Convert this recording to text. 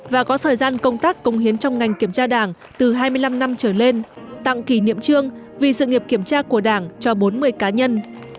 và có thời gian công tác công hiến trong ngành kiểm tra đảng từ hai mươi năm năm trở lên tặng kỷ niệm trương vì sự nghiệp kiểm tra của đảng cho bốn mươi cá nhân